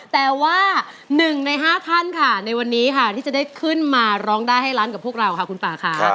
แต่ว่าหนึ่งในห้าท่านในวันนี้ที่จะได้ขึ้นมาร้องได้ให้ร้านกับพวกเราคุณป่า